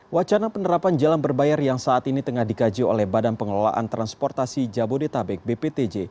wacana penerapan jalan berbayar yang saat ini tengah dikaji oleh badan pengelolaan transportasi jabodetabek bptj